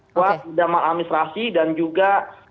kuat di damai administrasi dan juga